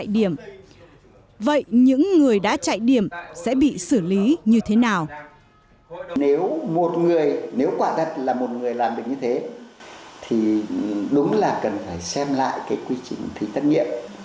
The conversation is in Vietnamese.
nếu một người nếu quả thật là một người làm được như thế thì đúng là cần phải xem lại cái quy trình thí thất nghiệm